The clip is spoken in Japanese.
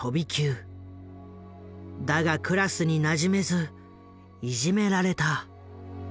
だがクラスになじめずいじめられた。